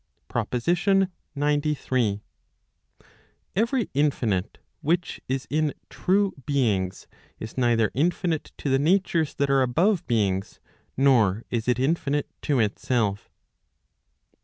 PROPOSITION XCIII. Every infinite which is in [true] beings, is neither infinite to the natures that are above beings, nor is it infinite to itself.